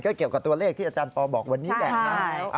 เกี่ยวกับตัวเลขที่อาจารย์ปอลบอกวันนี้แหละนะ